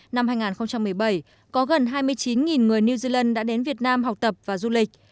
năm hai nghìn một mươi bảy có gần hai mươi chín người new zealand đã đến việt nam học tập và du lịch